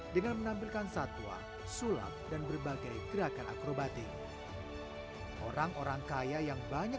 dengan menampilkan satwa sulap dan berbagai gerakan akrobatik orang orang kaya yang banyak